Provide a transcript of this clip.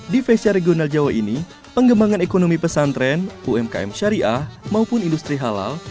di fesya regional jawa ini pengembangan ekonomi pesantren umkm syariah maupun industri halal